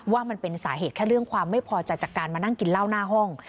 ว่ามันเป็นสาเหตุแค่เรื่องความไม่พอใจจากการมานั่งกินเหล้าหน้าห้อง